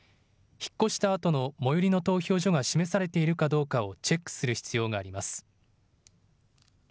引っ越したあとの最寄りの投票所が示されているかどうかをチェックする必要があります。